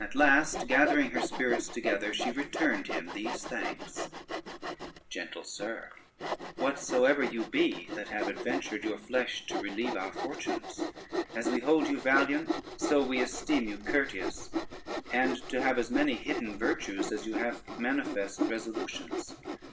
At last, gathering her spirits together, she returned him these thanks: "Gentle sir, whatsoever you be that have adventured your flesh to relieve our fortunes, as we hold you valiant so we esteem you courteous, and to have as many hidden virtues as you have manifest resolutions.